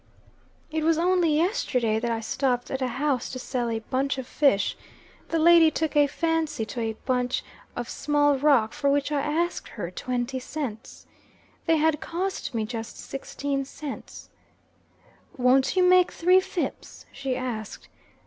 "It was only yesterday that I stopped at a house to sell a bunch of fish. The lady took a fancy to a nice bunch of small rock, for which I asked her twenty cents. They had cost me just sixteen cents. 'Won't you take three fips?' she asked.